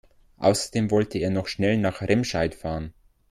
Außerdem wollte er noch schnell nach Remscheid fahren